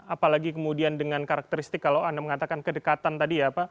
apalagi kemudian dengan karakteristik kalau anda mengatakan kedekatan tadi ya pak